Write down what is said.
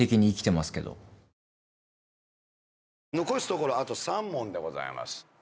残すところあと３問でございます。